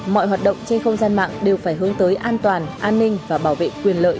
mọi hoạt động trên không gian mạng đều phải hướng tới an toàn an ninh và bảo vệ quyền lợi